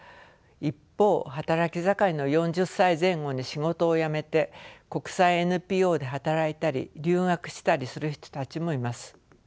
一方働き盛りの４０歳前後に仕事を辞めて国際ＮＰＯで働いたり留学したりする人たちもいます。